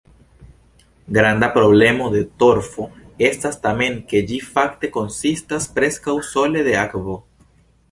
Granda problemo de torfo estas tamen, ke ĝi fakte konsistas preskaŭ sole de akvo.